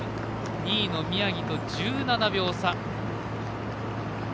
２位の宮城と１７秒差。